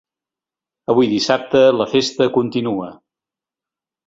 Avui dissabte, la festa continua.